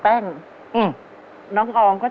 ตัวเลือกที่สองวนทางซ้าย